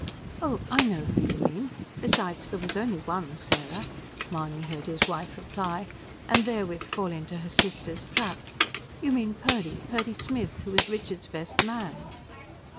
"Oh, I know who you mean besides there was only one, Sarah," Mahony heard his wife reply, and therewith fall into her sister's trap. "You mean Purdy Purdy Smith who was Richard's best man."